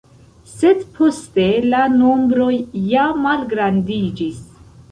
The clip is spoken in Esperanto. Sed poste la nombroj ja malgrandiĝis.